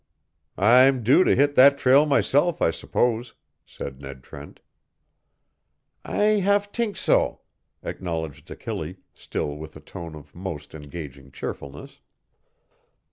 "I'm due to hit that trail myself, I suppose," said Ned Trent. "I have t'ink so," acknowledged Achille, still with a tone of most engaging cheerfulness.